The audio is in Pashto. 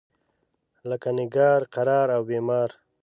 لکه نګار، قرار او بیمار.